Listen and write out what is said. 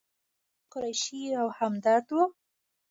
وزیری، قریشي او همدرد و.